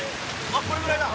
あっこれぐらいだ。